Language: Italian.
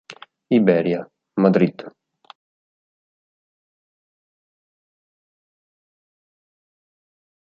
Iberia: Madrid.